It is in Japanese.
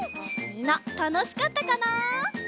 みんなたのしかったかな？